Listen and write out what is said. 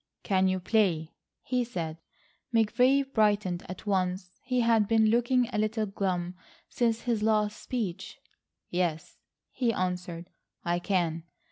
"Can you play?" he said. McVay brightened at once. He had been looking a little glum since his last speech. "Yes," he answered, "I can.